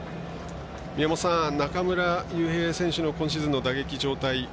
宮本さん、中村悠平選手の今シーズンの打撃状態